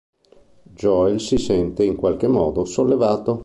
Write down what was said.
Joel si sente, in un qualche modo, sollevato.